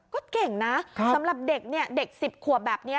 ก็เก่งนะสำหรับเด็ก๑๐ขวบแบบนี้